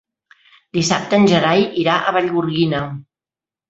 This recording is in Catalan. Dissabte en Gerai irà a Vallgorguina.